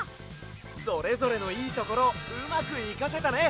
それぞれのいいところをうまくいかせたね！